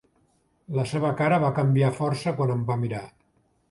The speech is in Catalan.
La seva cara va canviar força quan em va mirar.